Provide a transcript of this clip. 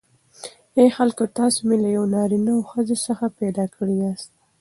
ای خلکو تاسی می له یوه نارینه او ښځی څخه پیداکړی یاست